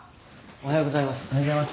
おはようございます。